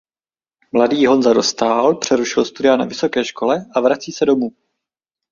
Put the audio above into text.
Mladý Honza Dostál přerušil studia na vysoké škole a vrací se domů.